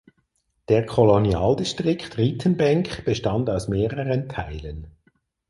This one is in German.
Der Kolonialdistrikt Ritenbenk bestand aus mehreren Teilen.